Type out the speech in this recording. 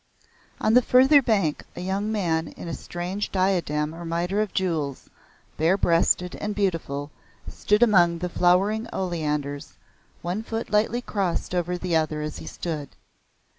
On the further bank a young man in a strange diadem or miter of jewels, bare breasted and beautiful, stood among the flowering oleanders, one foot lightly crossed over the other as he stood.